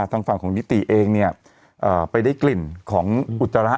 ทางฝั่งของนิติเองเนี่ยไปได้กลิ่นของอุจจาระ